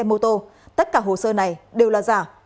xe mô tô tất cả hồ sơ này đều là giả